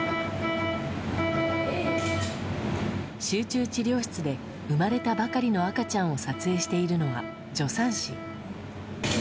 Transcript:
集中治療室で生まれたばかりの赤ちゃんを撮影しているのは助産師。